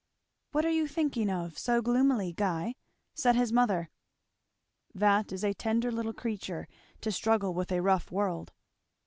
"What are you thinking of so gloomily, Guy?" said his Mother. "That is a tender little creature to struggle with a rough world."